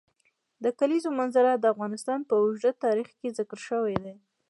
د کلیزو منظره د افغانستان په اوږده تاریخ کې ذکر شوی دی.